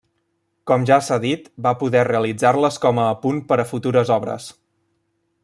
Com ja s'ha dit, va poder realitzar-les com a apunt per a futures obres.